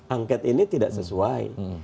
angket ini tidak sesuai